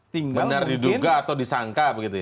benar diduga atau disangka begitu ya